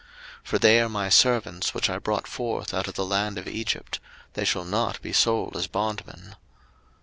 03:025:042 For they are my servants, which I brought forth out of the land of Egypt: they shall not be sold as bondmen.